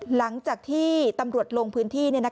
หลังจากที่ตำรวจลงพื้นที่